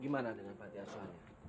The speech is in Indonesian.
gimana dengan pantiasuhan ya